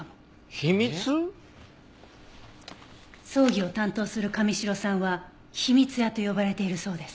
葬儀を担当する神城さんは秘密屋と呼ばれているそうです。